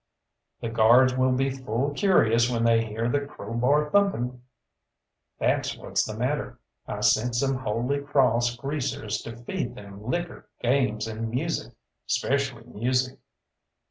"The guards will be full curious when they hear the crowbar thumping." "That's what's the matter. I sent some Holy Crawss greasers to feed them liquor, games, and music 'specially music."